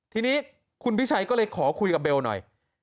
ทีนี้คุณพิชัยก็เลยขอคุยกับเบลหน่อย